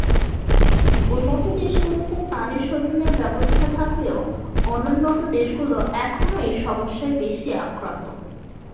উন্নত দেশগুলোতে পানি শোধণের ব্যবস্থা থাকলেও অনুন্নত দেশগুলো এখনো এই সমস্যায় বেশি আক্রান্ত।